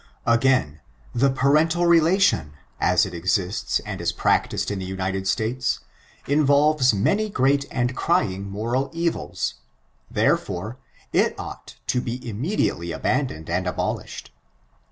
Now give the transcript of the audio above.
Again: the parental relation, as it exists and is practiced in the United States, involves many great and crying moral evils; therefore, it ought to be immediately abandoned and abolished.